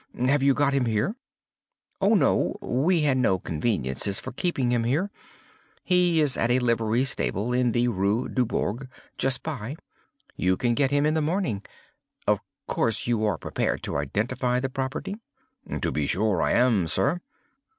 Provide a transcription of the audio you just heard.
Have you got him here?" "Oh no, we had no conveniences for keeping him here. He is at a livery stable in the Rue Dubourg, just by. You can get him in the morning. Of course you are prepared to identify the property?" "To be sure I am, sir."